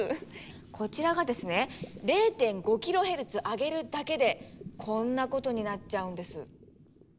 こちらがですね０．５キロヘルツ上げるだけでこんなことになっちゃうんです。